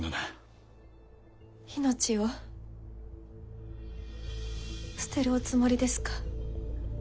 命を捨てるおつもりですか？